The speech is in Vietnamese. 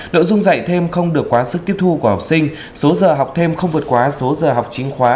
nội dung dạy thêm không được quá sức tiếp thu của học sinh số giờ học thêm không vượt quá số giờ học chính khóa